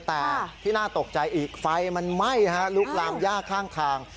แต่ที่น่าตกใจอีกไฟมันไหม้ลุกลามย่าข้างทาง